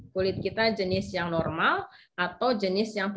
kulit kita jenis yang normal atau jenis yang tinggi